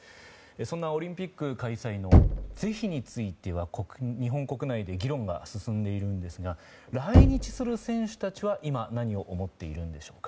そんなオリンピック開催の是非については日本国内で議論が進んでいるんですが来日する選手たちは今何を思っているんでしょうか。